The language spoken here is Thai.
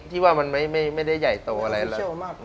ที่ว่ามันไม่ได้ใหญ่โตอะไรไม่พิเศษมาก